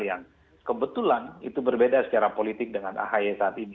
yang kebetulan itu berbeda secara politik dengan ahy saat ini